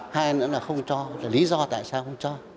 hai nữa là không cho lý do tại sao không cho